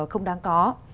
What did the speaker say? không đáng có